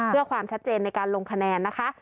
เพื่อความชัดเจนในการลงคะแนนนะคะ